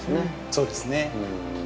◆そうですね。